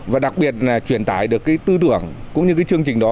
và đặc biệt là truyền tải được cái tư tưởng cũng như cái chương trình đó